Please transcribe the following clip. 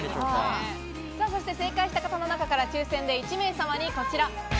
正解した人の中から抽選で１名様にこちら。